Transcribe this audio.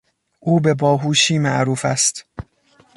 او به باهوشی معروف است.